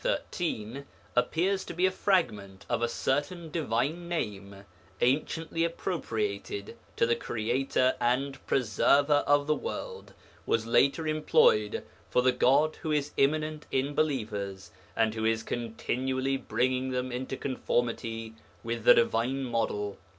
13 appears to be a fragment of a certain divine name, anciently appropriated to the Creator and Preserver of the world, was later employed for the God who is immanent in believers, and who is continually bringing them into conformity with the divine model.